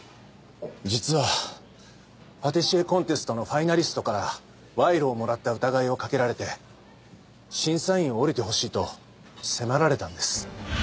実はパティシエコンテストのファイナリストから賄賂をもらった疑いをかけられて審査員を降りてほしいと迫られたんです。